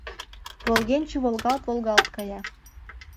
Волгенче волгалт-волгалт кая.